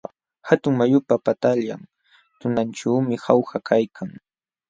Hatun mayupa patallan tunanćhuumi Jauja kaykan.